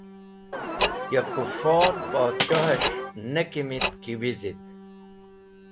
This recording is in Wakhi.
Ya Kufor Podshes̃h ne kimit ki wizit.